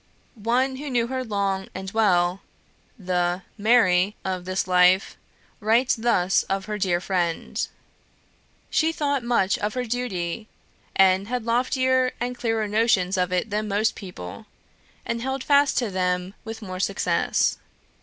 One who knew her long and well, the "Mary" of this Life writes thus of her dead friend: "She thought much of her duty, and had loftier and clearer notions of it than most people, and held fast to them with more success.